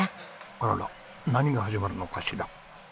あらら何が始まるのかしら？